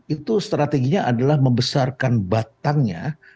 itu strateginya adalah membesarkan batangnya